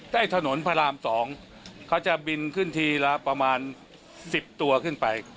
ใต้ถนนพระราม๒เขาจะบินขึ้นทีละประมาณ๑๐ตัวขึ้นไป